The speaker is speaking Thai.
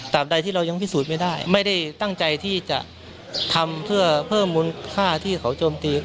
ใดที่เรายังพิสูจน์ไม่ได้ไม่ได้ตั้งใจที่จะทำเพื่อเพิ่มมูลค่าที่เขาโจมตี